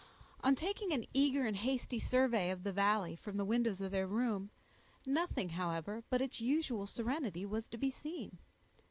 On taking an eager and hasty survey of the valley from the windows of their room, nothing, however, but its usual serenity was to be seen.